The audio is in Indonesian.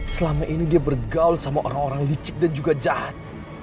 selama ini dia bergaul sama orang orang licik dan juga jahat